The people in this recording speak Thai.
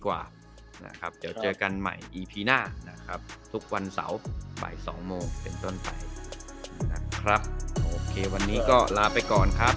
เกือบใหม่ทุกวันเสาปลาย๒โมงเป็นตอนไฟครับวันนี้ก็ลาไปก่อนครับ